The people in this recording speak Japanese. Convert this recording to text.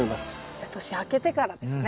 じゃあ年明けてからですね。